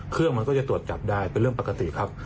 มันก็จะตรวจจับได้เป็นเรื่องปกติครับ